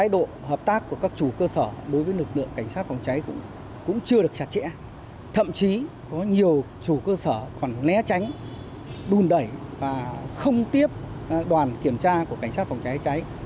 đối với lực lượng cảnh sát phòng cháy cũng chưa được chặt chẽ thậm chí có nhiều chủ cơ sở còn lé tránh đun đẩy và không tiếp đoàn kiểm tra của cảnh sát phòng cháy cháy